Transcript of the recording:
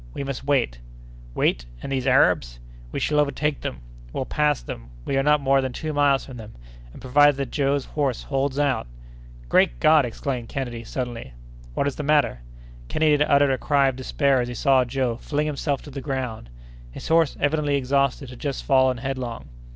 "We must wait." "Wait?—and these Arabs!" "We shall overtake them. We'll pass them. We are not more than two miles from them, and provided that Joe's horse holds out!" "Great God!" exclaimed Kennedy, suddenly. "What is the matter?" Kennedy had uttered a cry of despair as he saw Joe fling himself to the ground. His horse, evidently exhausted, had just fallen headlong.